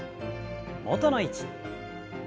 元の位置。